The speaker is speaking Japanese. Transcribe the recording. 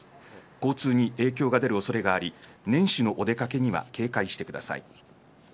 交通に影響が出る恐れがあり年始のお出掛けには警戒してください。